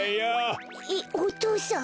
えっお父さん？